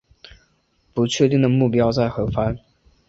不确定的目标在何方